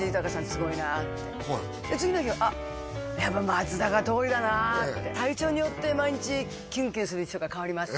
すごいなって次の日はあっやっぱ松坂桃李だなって体調によって毎日キュンキュンする人が変わります